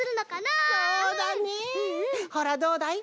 ほらどうだい？